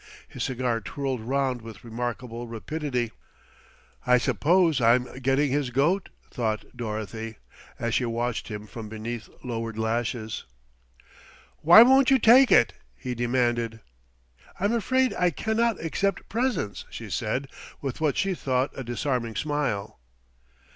His cigar twirled round with remarkable rapidity. "I suppose I'm getting his goat," thought Dorothy, as she watched him from beneath lowered lashes. "Why won't you take it?" he demanded. "I'm afraid I cannot accept presents," she said with what she thought a disarming smile.